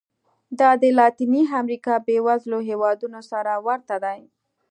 دا د لاتینې امریکا بېوزلو هېوادونو سره ورته دي.